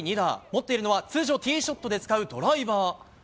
持っているのは、通常ティーショットで使うドライバー。